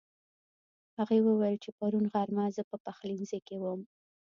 هغې وويل چې پرون غرمه زه په پخلنځي کې وم